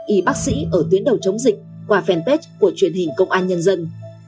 y bác sĩ ở tuyến đầu chống dịch qua fanpage của truyền hình công an nhân dân